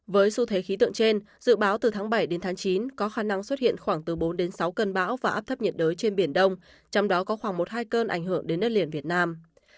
với xu thế khí tượng trên dự báo từ tháng bảy đến tháng chín có khả năng xuất hiện khoảng từ bốn đến sáu cơn bão và áp thấp nhiệt đới trên biển đông trong đó có khoảng một hai cơn ảnh hưởng đến đất liền việt nam